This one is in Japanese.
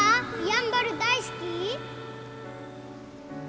やんばる大好き？